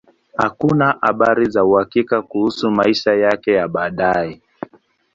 Hakuna habari za uhakika kuhusu maisha yake ya baadaye.